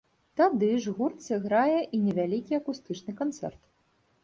Тады ж гурт сыграе і невялікі акустычны канцэрт.